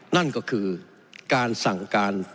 นั่นก็คือการสั่งการ